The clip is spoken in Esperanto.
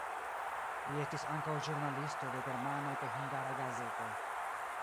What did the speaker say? Li estis ankaŭ ĵurnalisto de germanaj kaj hungaraj gazetoj.